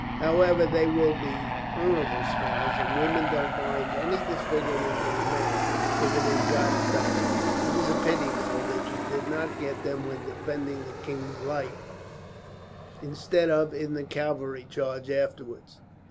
However, they will be honourable scars, and women don't mind any disfigurement in a man, if it is got in battle. It is a pity, though, that you did not get them when defending the king's life, instead of in the cavalry charge afterwards.